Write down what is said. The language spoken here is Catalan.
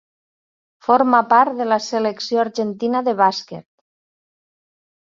Forma part de la selecció argentina de bàsquet.